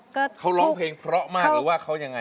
ก็เขาร้องเพลงเพราะมากหรือว่าเขายังไง